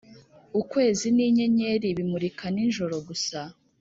ukwezi ninyenyeri bimurika nijoro gusa